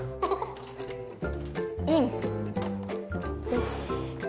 よし。